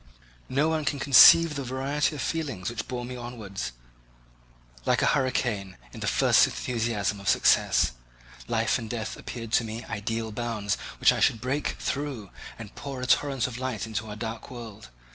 No one can conceive the variety of feelings which bore me onwards, like a hurricane, in the first enthusiasm of success. Life and death appeared to me ideal bounds, which I should first break through, and pour a torrent of light into our dark world.